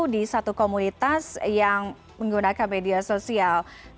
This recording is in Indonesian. di satu komunitas yang menggunakan media sosial